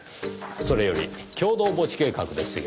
それより共同墓地計画ですよ。